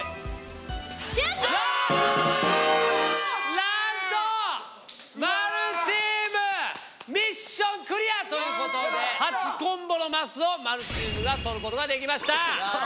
なんと○チームミッションクリア！ということで８コンボのマスを○チームが取ることができました。